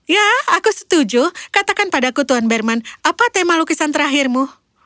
ya aku setuju katakan padaku tuan berman apa tema lukisan terakhirmu